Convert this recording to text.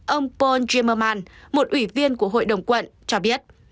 ông paul jimmerman một ủy viên của hội đồng quận cho biết